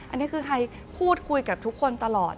อันนี้คือใครพูดคุยกับทุกคนตลอด